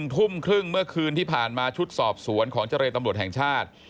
ทุ่มครึ่งเมื่อคืนที่ผ่านมาชุดสอบสวนของเจรตำรวจแห่งชาติ